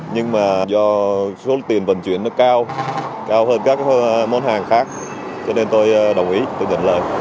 nhưng mà do số tiền vận chuyển nó cao cao hơn các món hàng khác cho nên tôi đồng ý tôi nhận lời